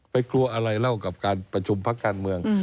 ไปกลัวอะไรแล้วกับการประชุมภักดิ์การเมือง